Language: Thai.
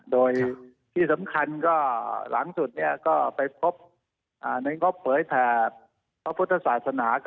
โดยที่สำคัญก็หลังสุดก็ไปพบในงบเผยแถบพระพุทธศาสนา